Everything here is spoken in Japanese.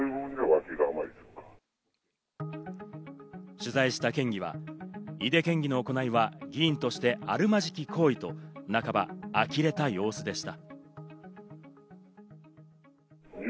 取材した県議は井手県議の行いは議員としてあるまじき行為と半ば呆れた様子でした。